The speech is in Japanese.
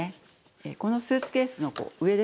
このスーツケースの上ですね。